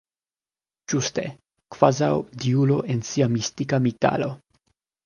Ĝuste: kvazaŭ diulo en sia mistika migdalo.